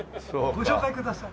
ご紹介ください。